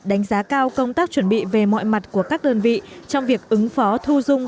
đánh giá cao công tác chuẩn bị về mọi mặt của các đơn vị trong việc ứng phó thu dung